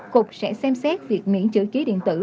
cục sẽ xem xét việc miễn chữ ký điện tử